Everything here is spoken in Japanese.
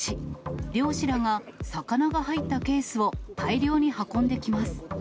漁師らが魚が入ったケースを大量に運んできます。